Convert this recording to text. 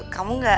kamu gak nekot